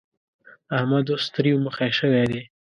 احمد اوس تريو مخی شوی دی.